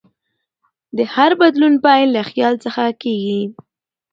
د هر بدلون پیل له خیال څخه کېږي.